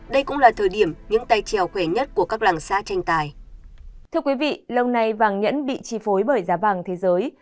đây cũng là thời điểm những tay trèo khỏe nhất của các làng xã tranh tài